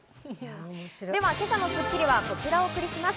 今朝の『スッキリ』はこちらをお送りします。